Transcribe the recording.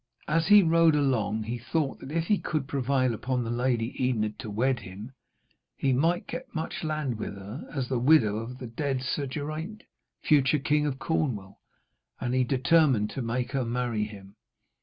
As he rode along he thought that if he could prevail upon the Lady Enid to wed him, he might get much land with her, as the widow of the dead Sir Geraint, future King of Cornwall. And he determined to make her marry him.